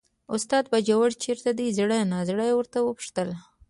استاده! باجوړ چېرته دی، زړه نازړه ورته وپوښتل.